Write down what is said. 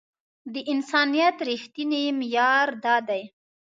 د انسانيت رښتينی معيار دا دی.